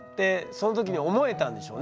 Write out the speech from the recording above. その時に思えたんでしょうね。